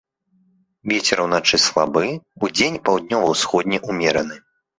Вецер уначы слабы, удзень паўднёва-ўсходні ўмераны.